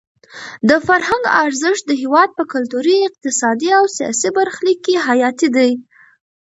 د فرهنګ ارزښت د هېواد په کلتوري، اقتصادي او سیاسي برخلیک کې حیاتي دی.